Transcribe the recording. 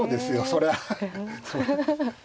そりゃあ。